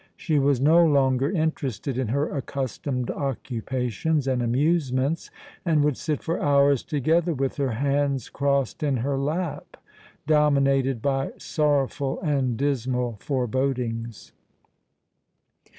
She was no longer interested in her accustomed occupations and amusements, and would sit for hours together with her hands crossed in her lap, dominated by sorrowful and dismal forebodings.